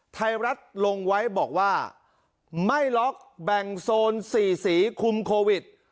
ไทยรัฐลงไว้บอกว่าไม่ล็อกแบ่งโซน๔สีคุมโควิด